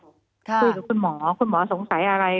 คุยกับคุณหมอคุณหมอสงสัยอะไร